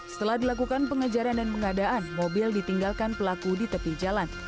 setelah dilakukan pengejaran dan pengadaan mobil ditinggalkan pelaku di tepi jalan